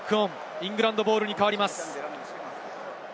イングランドボールに変わります。